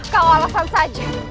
kau alasan saja